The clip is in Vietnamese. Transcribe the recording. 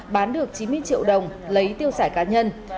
bán được chín mươi triệu đồng lấy tiêu xài cá nhân